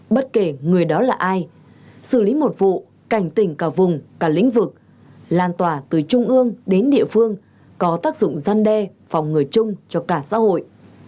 bất kể người đó là ai xử lý một vụ cảnh tỉnh cả vùng cả lĩnh vực lan tỏa từ trung ương đến địa phương có tác dụng gian đe phòng người chung cho cả xã hội